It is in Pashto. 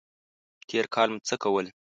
تېر کال مو څه کول؟